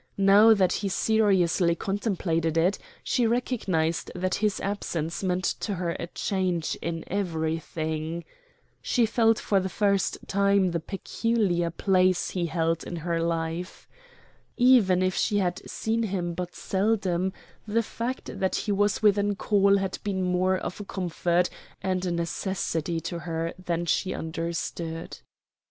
Now that he seriously contemplated it, she recognized that his absence meant to her a change in everything. She felt for the first time the peculiar place he held in her life. Even if she had seen him but seldom, the fact that he was within call had been more of a comfort and a necessity to her than she understood.